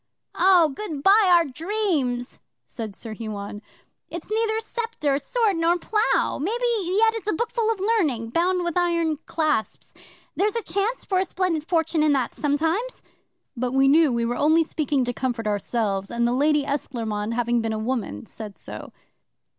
'"Oh, good bye, our dreams!" said Sir Huon. "It's neither sceptre, sword, nor plough! Maybe yet it's a bookful of learning, bound with iron clasps. There's a chance for a splendid fortune in that sometimes." 'But we knew we were only speaking to comfort ourselves, and the Lady Esclairmonde, having been a woman, said so.